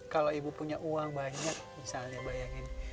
kalau ibu punya uang banyak misalnya bayangin